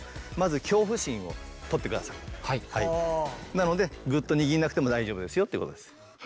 なのでグッと握んなくても大丈夫ですよってことです。